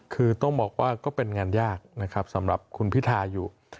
คือต้องบอกว่าก็เป็นงานยากนะครับสำหรับคุณพิทาอยู่